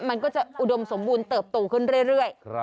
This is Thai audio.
มันก็จะอุดมสมบูรณ์เติบโตขึ้นเรื่อย